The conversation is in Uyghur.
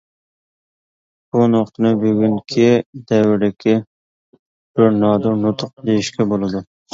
بۇ نۇتۇقنى بۈگۈنكى دەۋردىكى بىر نادىر نۇتۇق دېيىشكە بولىدۇ.